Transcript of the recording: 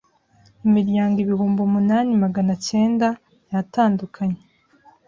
imiryango ibihumbi umunani magancyenda yatandukanye